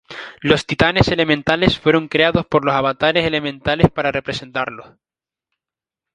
Los Titanes elementales fueron creados por los avatares elementales para representarlos.